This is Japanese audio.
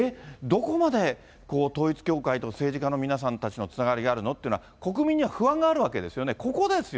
どこまで統一教会と政治家の皆さんたちとのつながりがあるのっていうのは、国民には不安があるわけですよね。